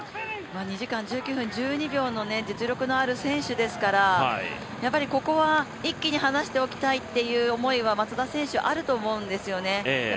２時間１９分１２秒の実力のある選手ですからここは一気に離しておきたいっていう思いは松田選手、あると思うんですね。